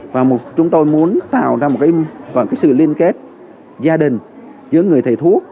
và chúng tôi muốn tạo ra một cái gọi là cái sự liên kết gia đình giữa người thầy thuốc